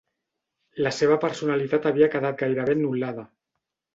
La seva personalitat havia quedat gairebé anul·lada.